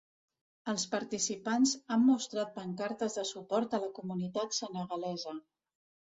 Els participants han mostrat pancartes de suport a la comunitat senegalesa.